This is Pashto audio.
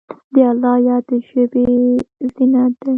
د الله یاد د ژبې زینت دی.